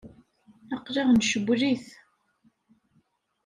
Aql-aɣ ncewwel-it.